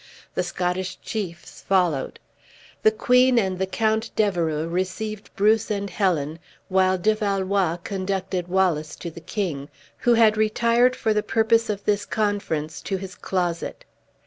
The Scottish chiefs followed. The queen and the Count D'Evereux received Bruce and Helen, while De Valois conducted Wallace to the king, who had retired for the purpose of this conference to his closet.